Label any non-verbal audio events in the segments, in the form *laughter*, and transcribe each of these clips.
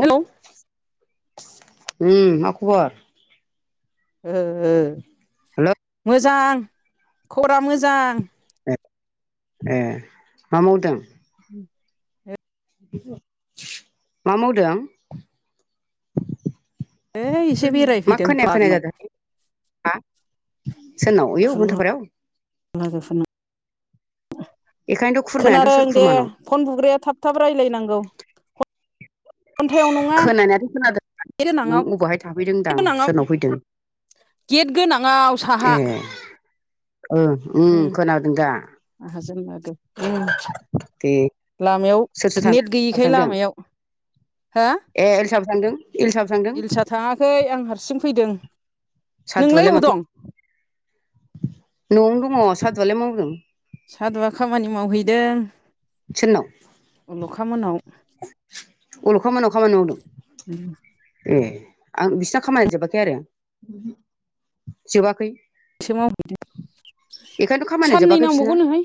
औ उम हेलौ मा खबर ओ ओ हेल' मोजां खबरा मोजां ए ए मा मावदों *inaudible* मा मावदों ओइ एसे मा बेरायफैदों खोनाया खोनाया बागानाव जादों हा? सोरनाव याव मुन्टुफारायाव लाजोफोरनो *unintelligible* बेखायनोथ' खुरमायाथ' खोनादों सोर दे खुरमानाव फन बुग्राया थाब थाब रायजलायनांगौ *inaudible* खोनानायाथ' खोनादों गेट नों गोनाङाव अबावहाय थाफैदों होनदां गेट गोनाङाव सोरनाव फैदों गेट गोनांआव ए साहा ओ उम ओम खोनादों दा माहाजोन आरो उम दे लामायाव सोर सोर थांदों नेट साबो गैयिखाय थांदों लामायाव हा ए एल्साबो थांदों एलस इलिसा थांआखै आं हारसिं फैदों नोंलाय सादुआलाय अबाव माथो ओ दं न'आवनो दङ सादुआलाय मावदों सादुआ खामानि मावहैदों सोरनाव अल'खा मोनाव अलखा मोनाव खामानि मावदों ए आं बिसिना खामानिआ जोबाखै आरो जोबाखै एसे मावहैदो बेखायनोथ' खामानिया साननै जोबाखै बिसिना नांबावगौनोहाय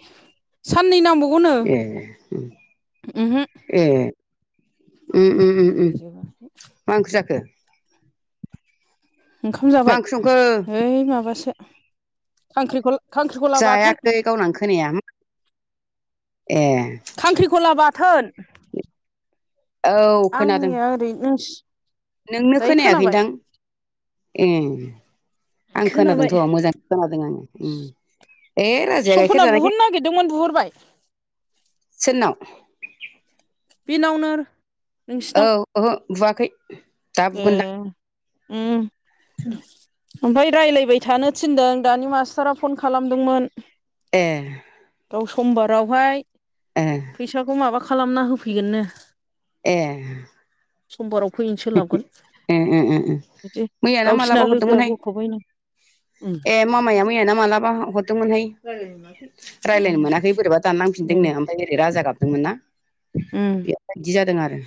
साननै नांबावगौनो ए उमहो ए मोनजोबाखै मा ओंख्रि जाखो? ओंखाम मा जाबाय? ओंख्रि संखो ओइ माबासो खांख्रिखल खात जायाखै गावन खोनाया उम ए खांख्रिखला बाथोन। औ खोनादों आंनिया ओरै नोंसि नोंनो दायो खोनाबाय खोनायाखैदां? ए आं खोनाबाय खोनादोंथ' मोजां खोनादों आङो उम ए राजाया गाइखेर सपना जानायखाय बुहरनो *inaudible* नागिरदोंमोन बुहरबाय सोरनाव बेनावनो औ नोंसिनाव ओहो बुआखै ए ओम सो आमफाय राय्लायबाय थानो थिनदों दानि मास्टारा फन खालामदोंमोन ए गाव समबारावहाय ए फैसाखौ माबा खालामना होफैगोननो ए समबाराव फैैनो सोलाबगोन ए ए ए बिदि मैयाना गावसिना मालाबा लोगोआ हरदोंमोनहाय बख'बाय नो। उम ए मामाया मैया ना मालाबा हरदोंमोनहाय रायलायनो उम मोनाखै बोरैबा दानलांफिनदोंनो। ओरै राजा गाबदोंमोन ना उम बेबायदि जादों आरो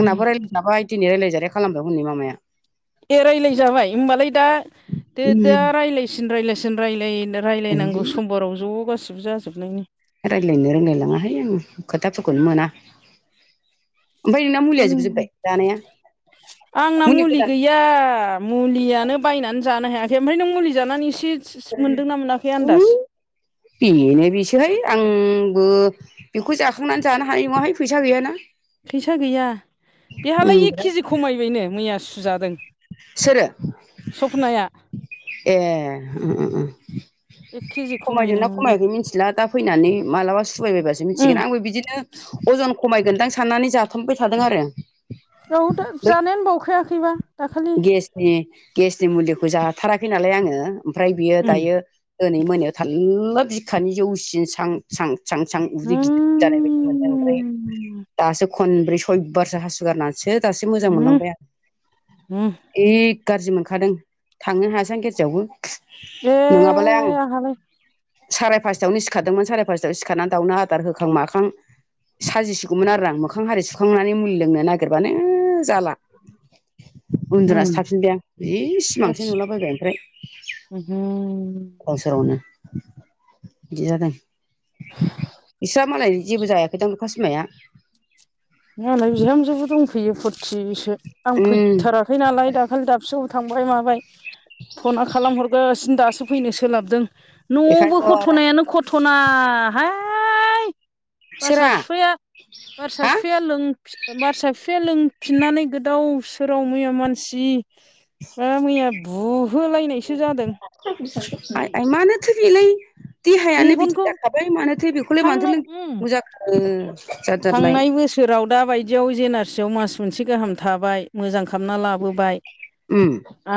उम आंनाब रालाय दाबाय दिनै रायल्लायजाय खालामदों हननि मामाया एराय्लाय जाबाय होनोमबालाय दा दे दा ओमफ्राय रायज्लायसिन रायज्लायसिन रायलाय रायलायनांगौ समबाराव ज' गासिबो जाजोब जोबनायनि रायज्लायनो रोंलायलाङाहाय आं खोथाफोरखौनो मोना ओमफ्राय नोंना मुलिया जोबजोब्बाय जानाया आंना मुलि गैया मुलियानो बायनानै जानो हायाखै ओमफ्राय नों मुलि जानानै एसे मोन्दोंना मोनाखै आन्दाज बेनो बेसोहाय आंबो बेखौ जाखांनानै जानो हायो नङाहाय फैसा गैयाना फैसा गैया बेहालाय एक केजि खमायबायनो मैया सुजादों। सोरो सपनाया ए उम उम उम एक केजि खमायनाय खमायदोंना मोनदों खमायाखै मिथिला दा फैनानै मालाबा सुबायबायबासो उम मिथिगोन आंबो बिदिनो अजन खमायगोनदां साननानै जाथ'बाय थादों आरो बाव दा बै जानायानो बावखायाखैबा दाखालि गेसनि गेसनि मुलिखौ जाथाराखै नालाय आङो ओमफ्राय बियो उम दायो दिनै मोनायाव थानला बिखानि जौसिन सां सां सां सां उदै गिद जानाय बायदि मोनदों ओमफ्राय उम दासो खनब्रै सयबारसो हासुगारनानै सो दासो मोजां मोनलांबाय आं हम ए गाज्रि मोनखादों थांनो हायासां गेरआवबो ए नङाबालाय आं आंहालाय साराय पासथायावनो सिखारदोंमोन साराय फासथायाव सिखारनानै दाउनो आदार होखां माखां साजिसिगौमोन आरो आं मोखां हारि सुखांनानै मुलि लोंनो नागिरबानो जाला। उम उन्दुनासो थाफिन दे आ जि सिमांसो नुलाबायबाय ओमफ्राय। हम हम सोरावनो बिदि जादों बिसहा मालाय जेबो जायाखै दांखा सिमाया मालाय बिहामजोबो दंफैयो फुरथिसो आं उम फैथारा थै नालाय दाखालि दाबसेयावबो थांबाय माबाय फ'ना खालामहरगोन सिन दासो फैनो सोलाबदों न'आवबो बेखायनोथ' घथ'नायानो घथ'नााहाय बोरसा सोरा बिफैया बोरसा हा बि बारसा बिसाया लोंफिननानै गोदाव सोराव मैया मानसि मा मैया बुहोलायनायसो जादों। मानोथो बिलै देहायानो बिदि मेगनखौ जाखाबाय मानोथो बेखौलाय मानोाथो थांनाय लों उम मजाखो थांनाय बोसोर सोराव दा बायदियाव ज एन आर सियावव मास मोनसे गाहाम थाबाय मोजां खालामना लाबोबाय। उम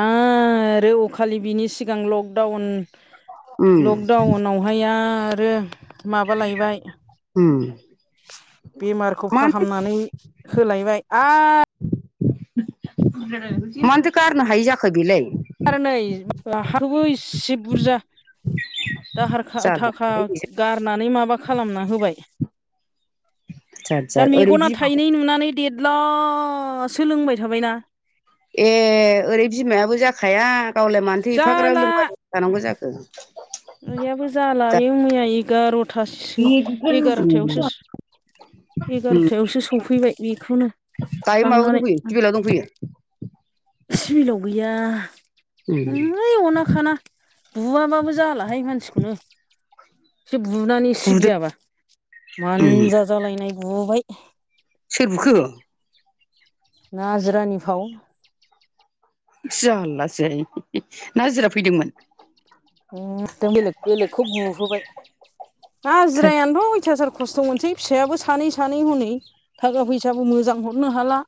आरो अखालि बिनि सिगां लकडाउन उम लकडाउनाव ओमफ्राय आरो माबालायबाय उम बेमारखौ मानोथो फाहामनानै होलायबाय आरो मानोथो गारनो हायि जाखो बेलाय आरो नै हाबो इसे बुरजा दाहार थाखा जारलाहाय बेजों गारनानै माबा खालामना होबाय जाद दा जाद ओरै मेगना बिमा थाइनै नुनानै देरला सोलोंबाय थाबायना ए ओरै बिमायाबो जाखाया गावलाय मानोथो एफाग्रा जाला लोंबाय थानांगौ जाखो। याबो दा जालाायो मैया एगार'थासोसो उम उम एगार'थायावसो एगार'थायावसो सफैबाय बेखौनो थांनानै टिबिलाव दंफैयो सिबिलाव गैया उम हैइ अना खाना बुआाबाबो जालाहाय मानसिखौनो एसे बुनानै बुदों थिग गैयाबा उम मानजाजालायनाय गबाय सोर बुखो। ना जिरानि फाव जारलासै न जिरा फैदोंमोन। एखदम बेलेग बेलेगखौ बुहोबाय ए हाजिरायानोथ' अयथासारखौ खस्थ' मोनसै फिसायाबो सानै सानै हनै थाखा फैसाबो मोजां हरनो हाला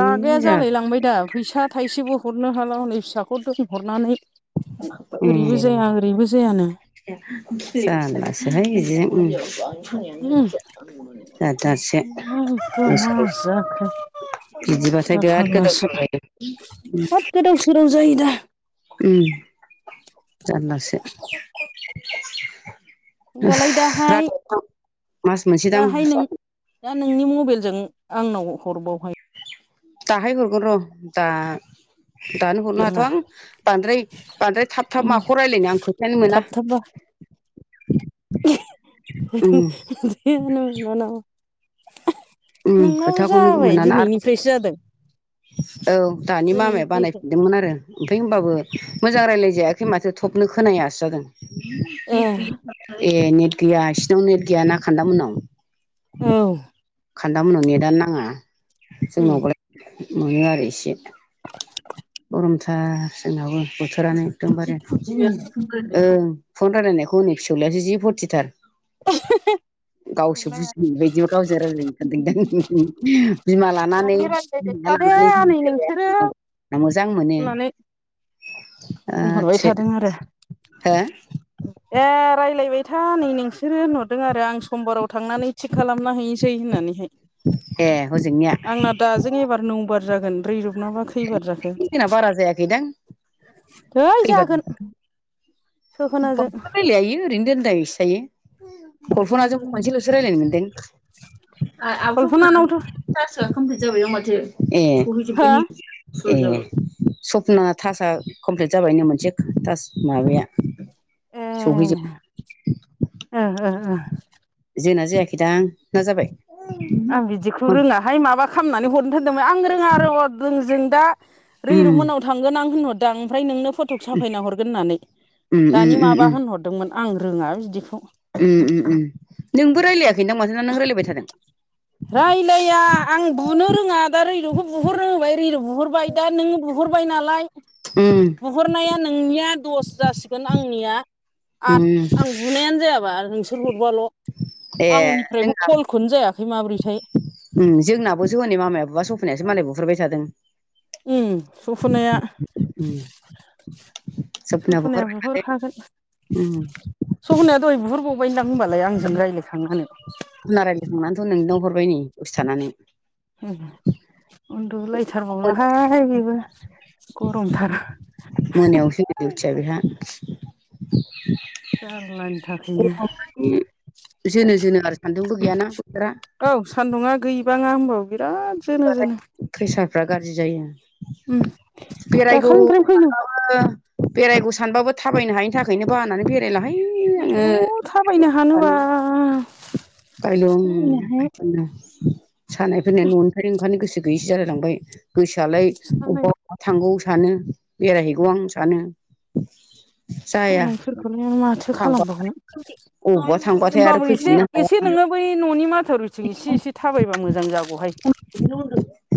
रागाया जालाय जाला लांबाय दा फैसा थाइसेबो हरनो हाला हनै फिसाखौ दोनहरनानै उ ओरैबो जाया ओरैबो जायानो खि जानासोहाय बिदि जाजारसे एकदम मा बोसस जाखो बिदिबथाय दा बिराद गोदाव फाग्लासो सोराव जायो। हाब गोदाव सोरदाव जायो दा। उ जानलासो होमबालाय दाहाय राथाव दां मास मोनसे दां दाहाय नों दा नोंनि मबाइलजों आंनाव हरबावहाय दाहाय हरगोन र' दा दानो हरनो हाथ' बिरङा आं बांद्राय बांद्राय थाब थाब माखौ रायज्लायनो आं खोथायानो मोना। थाब थाब उम *unintelligible* हो नोंनानाव उम नोंनाबो खोथाखौनो जाबाय मोनाना आरो दिनैनिफ्रायसो जादों। औ दानि मामाया दिनैनिफ्रायसो बानायफिनदोंमोन आरो। ओमफफ्राय होनबाबो मोजां रायज्लाय जायाखै माथो थबनो खोनायाासो जादों। ए नेट गैया बिसिोरनाव नेट गैया ना खान्दामोननाव औ खान्दा मोननाव नेटआनो नाङा जोंनावबालाय मोनो आरो एसे। *inaudible* गमथा जोंनावो बोथोरानो एखदमबारे ओं फन रायलायनायखौ हनै फिसौलायसो जि फुरथिथार गावसो बुजिनाय बायदिबो गावजों रायजलायनो सानदों द बिमा लानानै दानि रायज्लायबाय थादो नै *unintelligible* नोंसोरो मोजां मोनो होननानै आ बुंहरबाय थे थादों आरो हो ए रायज्लायबाय था नै नोंसोर बिसोरो होनहरदों आरो आं समबाराव थांनानै थिग खालामना हैनोसै होननानैहाय। ए हजोंनिया द जों एबार नंबार जागोन बै रबनाबा एखेदिना बारा जायाखैदां है खैब जागोन सपनाजों रायलायायो ओरैनो दोनदसायो। गलफना जों खनसेल'सो रायज्लायनो मोनदों आबु फ कल्पनानावथ' थारासोआ कमप्लिट जाबाय आ माथो ए बहैजोबबाय हो न ए सपना थास कमप्लिट जाबायनो मोनसेास माब ए सहै *unintelligible* जोंना जायाखैदां ना जाबाय आं बिदिखौ रोङाहाय माबा खामनानै हरनो थोनदोंमोन आं रोङा रोङ रोंजों दा रैरुब उम मोननाव थांगोन आं होनहरदां ओमफ्राय नोंनो फट'खौ साफायना हरगोन होन्नानै उम उम दानि उम माबा उम होनहर दोंमोन आं रोङा बिदिखौ उम उम उम नोंबो रायलायाखै दा माथोना नों रायज्लायबाय थादों। रायलाया आं बुनो रोङा दा रैरुखौ बुहरनो होबाय रैरुब बुहरबाय दा नोङो बुहरबाय नालाय उम बुहरनाया नोंनिया दस जासिगोन आंनिया आद उम आं बुनायानो जायाबा नोंसोर हरबाल' ए आंनिफ्रायबो जोंना कलखौनो जायाखै माब्रैथाय उम जोंनाबोसो हनै मामायाबो बा सफैनायसो मालाय बुह्रबाय थादों। उम सफ'नाया उम जोबनाबो सफनाया हरबाय बुहरखागोन माथो उम सफनाया दहाय बुहररबावबायदां होनबालाय आंजों रायज्लायखांनानै। *unintelligible* रायलायखांनानैथ' नोंनो हरबाय नै दानसे थानानै। उन्दुलायथारबावलाहाय बेबो गरमथार मोनायावसो दिउथिया बेहा जारलानि थाखायनो *unintelligible* जोनो जोनो आरो सान्दुंबो गैयाना बोथोरा औ सान्दुङा गैबाङा होनोमबाव बिराद जोनो जोनो खैसाफ्रा गाज्रि जायो बेरायगौ दाखालिनिफ्रायनो फैनो *unintelligible* बेरायगौ सानबाबो थाबायनो हायिनि थाखायनो बानानै बेरायलाहाय आङो। अ' थाबायनो हानोबा गायलुं थाबायनो हाया गायथुंनो सानायफोरनि न'निफ्रायनो ओंखारनो गोसो गैयैसो जालाय लांबाय। गोसोआलाय सानाय अबबा अबबा थांगौ सानो बेरायहैगौ आं सानो। जाया सानायफोरखौनो माथो खालामबावनो। अबबा थांबा होमबाबो एसे एसे नोङो बै न'नि माथर रिथिं एसे एसे थाबायबा मोजां जागौहाय।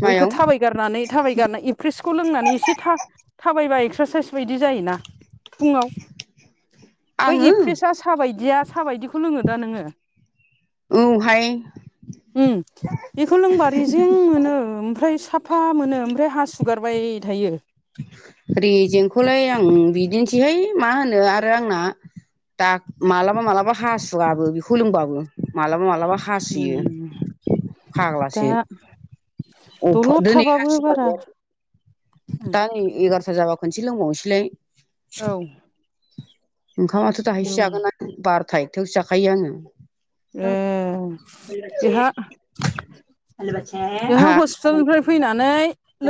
मायाव? गारनानै थाबायगारना एवप्रेसखौ लोंनानै एसे था-थाबायबा एक्सारसाइस बायदि जायोना। फुङाव बै आङो एप्रेसा साबायदिया साबायदि खौ लोङोदा नोङो? औहाय उम बेखौ लोंबा रेज जें मोनो ओमफ्राय साफा मोनो ओमफ्राय हासुगारबाय थायो। रिजेंखौलाय आं बिदिनोसैहाय मा होनो आरो आंना दा मालाबा-मालाबा हासुवाबो बेखौ लोंबाबो मालाब-मालाबा हा हासुयो दा फाग्लासो। अफ दलद दोनैसि थाबाबो हासु बारा दा नै एगार'था जाबा खनसे लोंबावनोसैलाय। औ। ओंखामाथ' दाहायसो जागोन आं बारथा एथायावसो जाखायो आङो। ए। बेहा *inaudible* बेहा हा हस्पिटालनिफ्राय फैनानै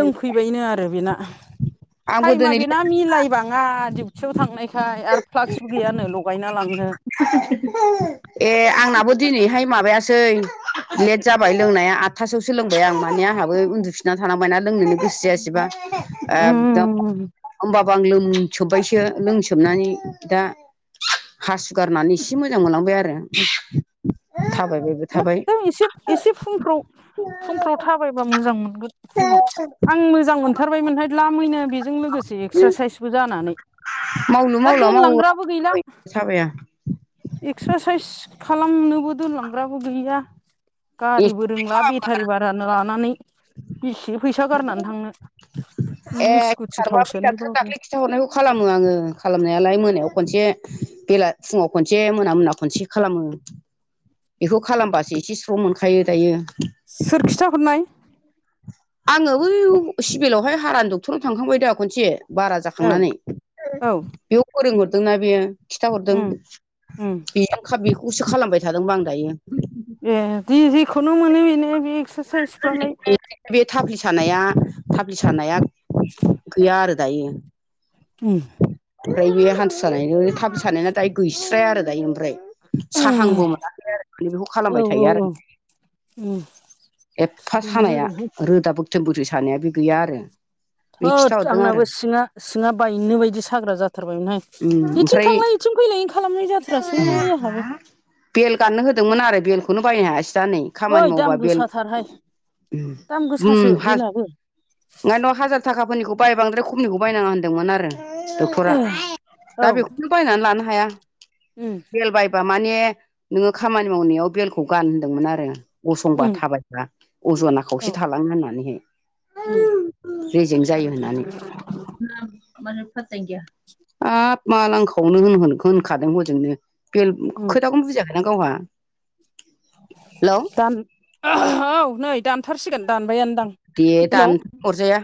लोंफैबायनो आरो बेना आंबो टाइमा दिनै बेना मिलायबाङा डिउटियाव थांनायखाय आरो फ्लाक्सबो गैयानो लगायना लांनो। ए आंनाबो दिनैहाय माबायासै। लेट जाबाय लोंनाया आदथासोसो लोंबाय आं माने आंहाबो उन्दुफिनना थानांबायना लोंनोनो गोसो जायासैबा एकदम होमबाबो आं लोंसोबबायसो लोंसोब सोबनानै दा हासु गारनानै एसे मोजां मोनलांबाय आरो। थाबायबायबो थाबाय। एकदम एसे एसे फुंफ्राव-फुंफ्राव थाबायबा मोजां मोनगोन फुङाव आं मोजां मो थारबायमोनहाय लामैनो बेजों लोगोसे एक्सारसाइसबो जानानै मावलु दा मावला मावो दोनलांग्राबो गैला। थाबाया एक्सारसाइस खालामनोबो दोनलांग्राबो गैया। ए गारिबो रोंला बेटारि बारानो लानानै बेसे फैसा गारनानै थांनो। ननि सकुटि थावसोनाय बावरो। खिथा हरनायखौ खालामो आङो खालामनायालाय मोनायाव खनसे बेला फुङाव खनसे मोना-मोना खनसे। खालामो बेखौ खालामबासो एसे स्र' मोनखायो दायो। सोर खिथा हरनाय? आङो बै सिभिलावहाय हारानि डक्टराव थांखांबाय दा खनसे। बारा औ जाखांनानै औ बेयाव फोरोंहरदोंना बेयो। खिन्थाहरदों उम उम बेजों बेखौसो खालामबाय थादोंबा आं दायो। ए दि जेखौनो मोनो बेनो बे एक्सारसाइसफ्रालाय। बे-बे थाफ्लि सानाया थाफ्लि सानाया। गैया आरो दायो। उम ओमफ्राय बे हान्थु सानायजो थाफ्लि सानाया दायो गैस्राया आरो दायो ओमफ्राय। साहांबो मोनाखै आरो माने बेखौ औ खालामबाय थायो औ आरो। औ उम। एपफा थिगानो सानाया जादोंहाय रोदा बोगथों-बोगथों सानाया बे गैया आरो। बे थोद खिथाहरदों आरो आंनाबो सिङा-सिङा बायनो बायदि साग्रा जाथारबायमोनहाय। बेथिं ओमफ्राय थांलाय इथिं फैलायनो खालामनाय जाथारासै आंहाबो। बेल गाननो होदोंमोन आरो बेलखौनो बायनो हायासै दा नै ओइ खामानि दाम मावबा बेल गोसाथारहाय दाम गोसासो उम-उम हा बेनाबो ओंखायथ' हाजार थाखाफोरनिखौ बाय बांद्राय खमनिखौ बायनाङा होनदोंमोन आरो। डक्टरा औ दा बेखौनो बायनानै लानो हाया। उम। बेल बायबा माने नोङो खामानि मावनायाव बेलखौ गान होनदोंमोन आरो गसंबा उम थाबाय ब्ला अजना औ खावसे थालाङो होननानैहाय। उम। रेजें जायो होननानै। हाब मा लांखावनो होन-होनखादों हजोंनो। बेल उम खोथाखौनो बुजियाखैदां गावहा। हेलौ दान औ नै दानथारसिगोन दानबायानोदां हेलौ। अरजाया।